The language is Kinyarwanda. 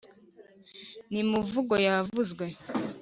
nimivugo yavuzwe